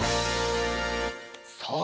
さあ